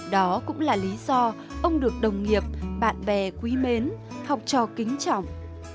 đó cũng là lý do ông được đồng nghiệp bạn bè quý mến học trò kính trọng